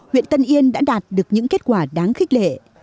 huyện tân yên đã đạt được những kết quả đáng khích lệ